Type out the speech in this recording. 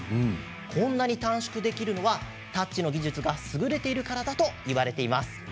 こんなに短縮できるのはタッチの技術が優れているからだといわれています。